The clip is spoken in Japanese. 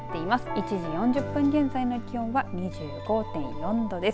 １時４０分現在の気温は２５．４度です。